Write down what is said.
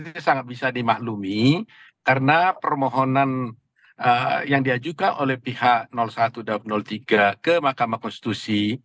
itu sangat bisa dimaklumi karena permohonan yang diajukan oleh pihak satu dan tiga ke mahkamah konstitusi